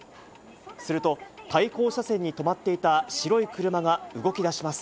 すると、対向車線に止まっていた白い車が動きだします。